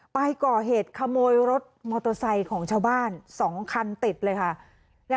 ไปก่อเหตุขโมยรถมอเตอร์ไซค์ของชาวบ้าน๒คันติดเลยค่ะ